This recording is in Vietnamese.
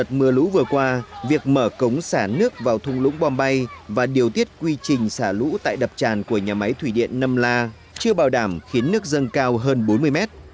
đợt mưa lũ vừa qua việc mở cống xả nước vào thung lũng bom bay và điều tiết quy trình xả lũ tại đập tràn của nhà máy thủy điện nâm la chưa bảo đảm khiến nước dâng cao hơn bốn mươi mét